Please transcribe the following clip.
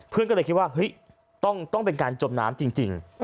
ก็เลยคิดว่าเฮ้ยต้องเป็นการจมน้ำจริง